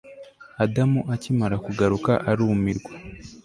Adamu akimara kugaruka arumirwa